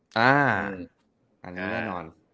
อันนี้แน่นอน